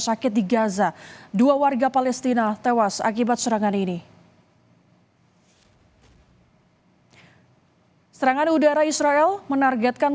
sakit di gaza dua warga palestina tewas akibat serangan ini serangan udara israel menargetkan